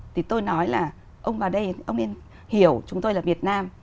thì tôi nói là ông vào đây ông nên hiểu chúng tôi là việt nam